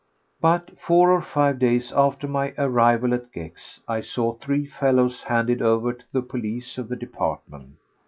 But four or five days after my arrival at Gex I saw three fellows handed over to the police of the department.